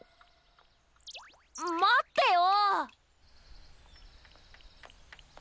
まってよ！